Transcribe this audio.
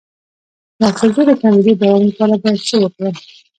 د حافظې د کمیدو د دوام لپاره باید څه وکړم؟